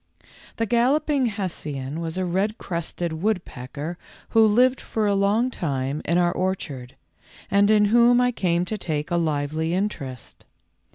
The Galloping Hessian was a red crested woodpecker who lived for a long time in our orchard, and in whom I came to take a lively interest.